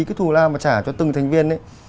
cái thù lao mà trả cho từng thành viên